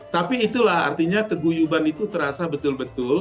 tapi itulah artinya keguyuban itu terasa betul betul